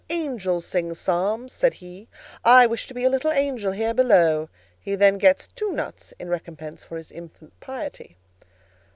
angels sing Psalms;' says he, 'I wish to be a little angel here below;' he then gets two nuts in recompense for his infant piety."